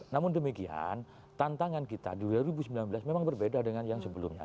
namun demikian tantangan kita di dua ribu sembilan belas memang berbeda dengan yang sebelumnya